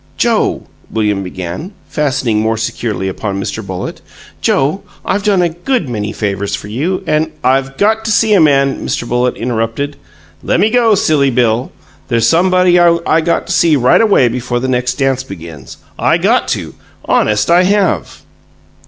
"Joe," William began, fastening more securely upon Mr. Bullitt "Joe, I've done a good many favors for you, and " "I've got to see a man," Mr. Bullitt interrupted. "Lemme go, Silly Bill. There's some body I got to see right away before the next dance begins. I GOT to! Honest I have!"